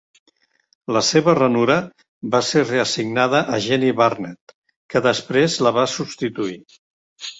La seva ranura va ser reassignada a Jeni Barnett, que després la va substituir.